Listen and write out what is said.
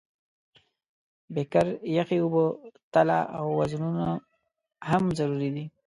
بیکر، یخې اوبه، تله او وزنونه هم ضروري دي.